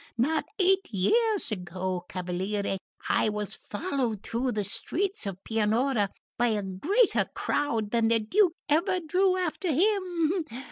Not eight years ago, cavaliere, I was followed through the streets of Pianura by a greater crowd than the Duke ever drew after him!